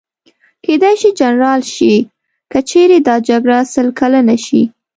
کېدای شي جنرال شي، که چېرې دا جګړه سل کلنه شي.